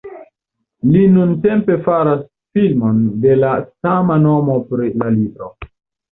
Li nuntempe faras filmon de la sama nomo pri la libro.